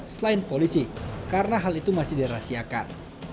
selain polisi karena hal itu masih dirahasiakan